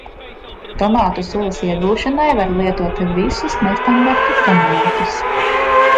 Tomātu sulas iegūšanai var lietot visus nestandarta tomātus.